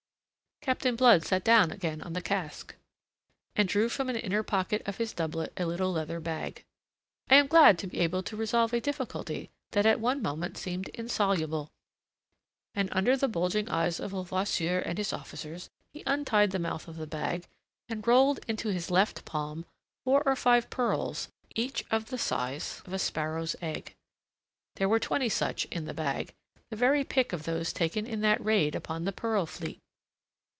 Captain Blood sat down again on the cask, and drew from an inner pocket of his doublet a little leather bag. "I am glad to be able to resolve a difficulty that at one moment seemed insoluble." And under the bulging eyes of Levasseur and his officers, he untied the mouth of the bag and rolled into his left palm four or five pearls each of the size of a sparrow's egg. There were twenty such in the bag, the very pick of those taken in that raid upon the pearl fleet.